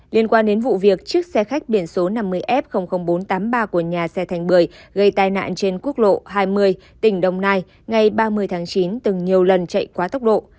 liên quan đến vụ việc chiếc xe khách biển số năm mươi f bốn trăm tám mươi ba của nhà xe thành bưởi gây tai nạn trên quốc lộ hai mươi tỉnh đồng nai ngày ba mươi tháng chín từng nhiều lần chạy quá tốc độ